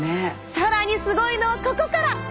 更にすごいのはここから！